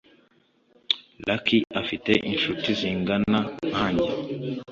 lucy afite inshuti zingana nkanjye.